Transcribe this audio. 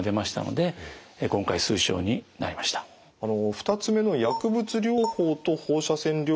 ２つ目の薬物療法と放射線療法の組み合わせ